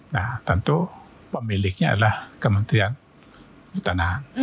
nah tentu pemiliknya adalah kementerian hutan